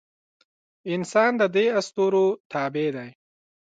انسان د دې اسطورو تابع دی.